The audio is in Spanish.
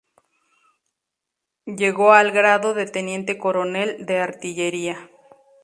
Llegó al grado de teniente coronel de Artillería.